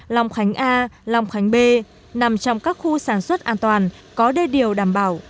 long khánh a long khánh b nằm trong các khu sản xuất an toàn có đề điều đảm bảo